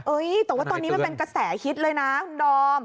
แต่ว่าตอนนี้มันเป็นกระแสฮิตเลยนะคุณดอม